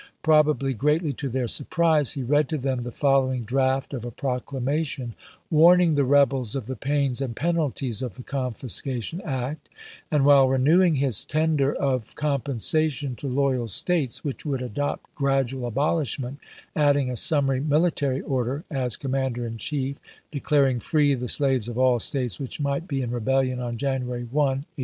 Probably greatly to their surprise, he read to them the following draft of a proclamation warning the rebels of tlie pains and penalties of the Confiscation Act, and, while renewing his tender of compensation to loyal States which would adopt gradual abolishment, adding a summary military order, as Commander in Chief, declaring free the slaves of all States which might be in rebellion on January 1, 1863.